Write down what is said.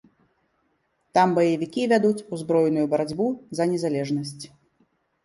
Там баевікі вядуць узброеную барацьбу за незалежнасць.